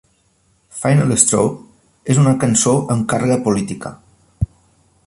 "Final Straw" és una cançó amb càrrega política.